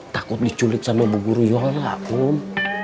takut diculik sama bu guru yola kum